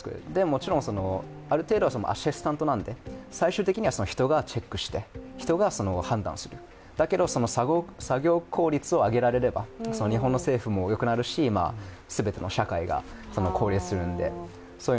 もちろんある程度はアシスタントなので最終的には人がチェックして、人が判断する、だけど作業効率を上げられれば日本政府も良くなるし全ての社会が向上するので。